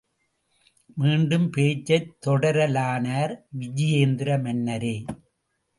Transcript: மீண்டும் பேச்சைத் தொடரலானார் விஜயேந்திரமன்னரே!